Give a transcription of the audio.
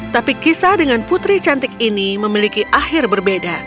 tapi kisah dengan putri cantik ini memiliki akhir berbeda